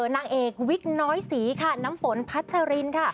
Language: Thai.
นางเอกวิคน้อยศรีน้ำผลพัชรินทร์